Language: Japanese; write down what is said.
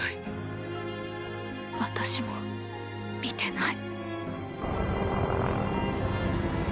私も見てない。